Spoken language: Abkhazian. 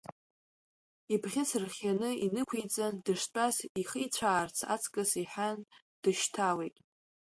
Ибӷьыц рхианы инықәиҵан, дыштәаз ихицәаар аҵкыс иҳәан, дышьҭалеит.